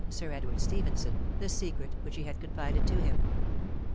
Sir Edward Stephenson, the secret which he had confided to him.